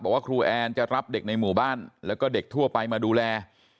ครูแอนจะรับเด็กในหมู่บ้านแล้วก็เด็กทั่วไปมาดูแล